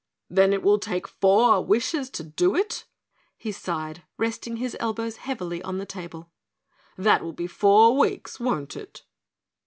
"Then it will take four wishes to do it," he sighed, resting his elbows heavily on the table. "That will be four weeks, won't it?"